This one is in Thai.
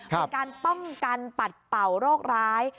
เป็นการป้องกันปัดเป่าโรคร้าย